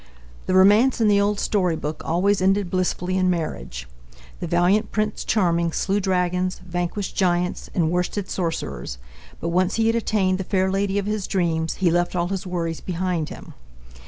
The romance in the old storybook always ended blissfully in marriage. The valiant Prince Charming slew dragons, vanquished giants, and worsted sorcerers; but once he had attained the fair lady of his dreams, he left all his worries behind him.